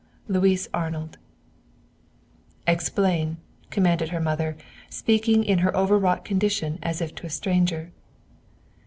LOUIS ARNOLD "Explain," commanded her mother, speaking in her overwrought condition as if to a stranger.